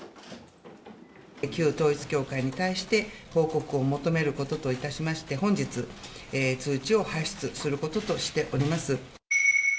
旧統一教会に対して、報告を求めることといたしまして、本日、通知を発出することといたしております。